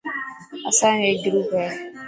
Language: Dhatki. اسانيو هيڪ گروپ هي.